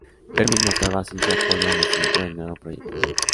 Fermin mostraba así su apoyo al nacimiento del nuevo proyecto.